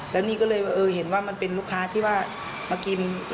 แล้วนี่ก็เลยเห็นว่ามันเป็นลูกค้าที่ว่ามากิน